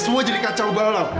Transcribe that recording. semua jadi kacau balau